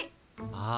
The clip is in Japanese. ああ。